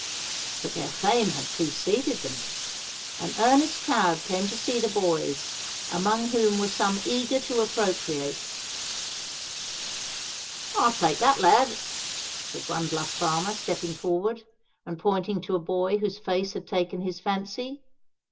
But their fame had preceded them. An earnest crowd came to see the boys, among whom were some eager to appropriate. "I'll take that lad," said one bluff farmer, stepping forward, and pointing to a boy whose face had taken his fancy.